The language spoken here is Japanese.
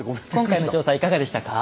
今回の調査いかがでしたか？